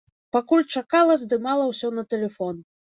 Пакуль чакала, здымала ўсё на тэлефон.